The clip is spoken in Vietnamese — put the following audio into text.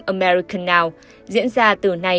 american now diễn ra từ nay